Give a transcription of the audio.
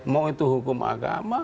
mau itu hukum agama